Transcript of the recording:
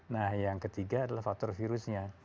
nah yang ketiga adalah faktor virusnya